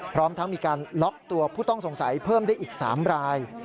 พร้อมทั้งมีการล็อกตัวผู้ต้องสงสัยเพิ่มได้อีก๓ราย